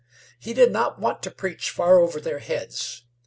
He did not want to preach far over their heads.